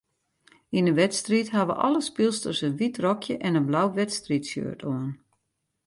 Yn 'e wedstriid hawwe alle spylsters in wyt rokje en in blau wedstriidshirt oan.